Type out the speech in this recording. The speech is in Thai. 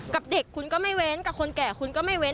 กับเด็กคุณก็ไม่เว้นกับคนแก่คุณก็ไม่เว้น